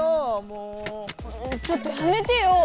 ちょっとやめてよお。